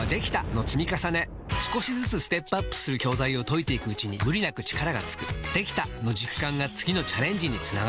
少しずつステップアップする教材を解いていくうちに無理なく力がつく「できた！」の実感が次のチャレンジにつながるよし！